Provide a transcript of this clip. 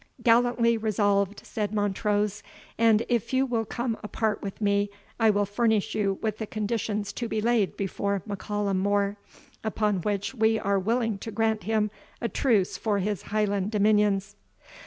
"Gallantly resolved," said Montrose; "and if you will come apart with me, I will furnish you with the conditions to be laid before M'Callum More, upon which we are willing to grant him a truce for his Highland dominions."